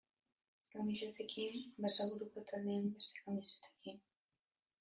Kamisetekin, Basaburuko taldeen beste kamisetekin...